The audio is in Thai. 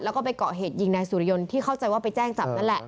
แล้วก็ไปเกาะเหตุยิงนายสุริยนต์ที่เข้าใจว่าไปแจ้งจับนั่นแหละ